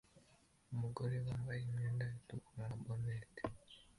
Umugore wambaye imyenda itukura na bonnet